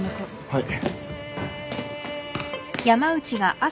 はい。